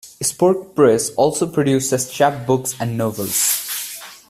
Spork Press also produces chapbooks and novels.